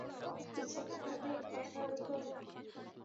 পিছে কাটা দাগ, পাছার উপর।